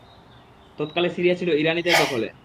তৎকালে সিরিয়া ছিল ইরানীদের দখলে।